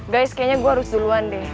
guys kayaknya gue harus duluan deh